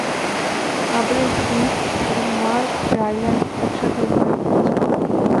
আব্রে Smith এবং Mark Rylance একসাথে অভিনয় করেছেন।